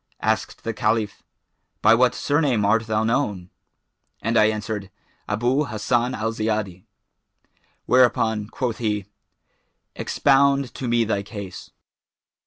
Asked the Caliph, 'By what surname art thou known?'[FN#420] and I answered, 'Abu Hassan al Ziyadi;' whereupon quoth he, 'Expound to me thy case.'